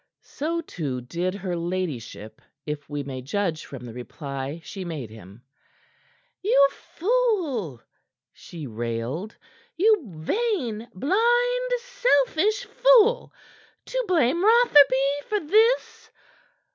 So, too, did her ladyship, if we may judge from the reply she made him. "You fool," she railed. "You vain, blind, selfish fool! To blame Rotherby for this.